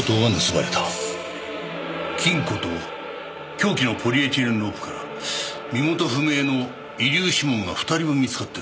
金庫と凶器のポリエチレンロープから身元不明の遺留指紋が２人分見つかってる。